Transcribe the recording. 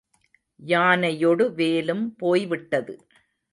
யானையொடு வேலும் போய் விட்டது.